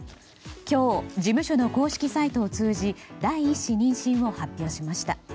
今日、事務所の公式サイトを通じ第１子妊娠を発表しました。